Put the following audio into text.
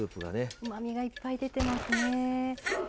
うまみがいっぱい出てますね。